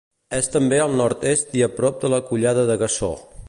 És també al nord-est i a prop de la Collada de Gassó.